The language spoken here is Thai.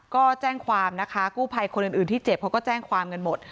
ก็แจ้งความนะคะกู้ภัยคนอื่นที่เจ็บเขาก็แจ้งความกันหมด